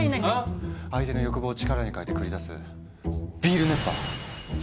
相手の欲望を力に変えて繰り出す「ビール熱波」！